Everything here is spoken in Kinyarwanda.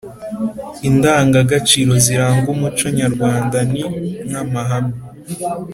indangagaciro ziranga umuco nyarwanda ni nk'amahame